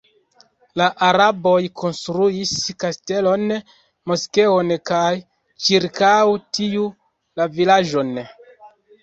La araboj konstruis kastelon, moskeon kaj ĉirkaŭ tiu la vilaĝon.